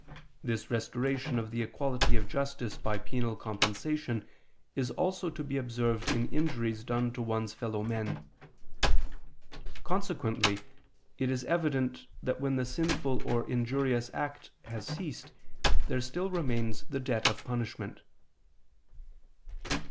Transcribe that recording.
This restoration of the equality of justice by penal compensation is also to be observed in injuries done to one's fellow men. Consequently it is evident that when the sinful or injurious act has ceased there still remains the debt of punishment.